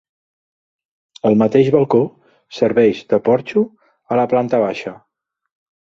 El mateix balcó serveix de porxo a la planta baixa.